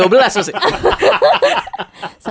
selai apa dong ya